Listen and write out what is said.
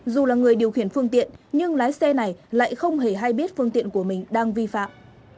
dù là người điều khiển phương tiện nhưng lái xe này lại không hề hay biết phương tiện của mình đang vi phạm